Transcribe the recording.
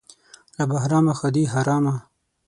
له بهرامه ښادي حرامه.